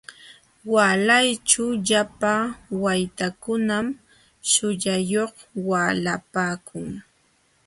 Waalayćhu llapa waytakunam shullayuq waalapaakun.